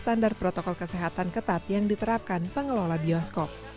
standar protokol kesehatan ketat yang diterapkan pengelola bioskop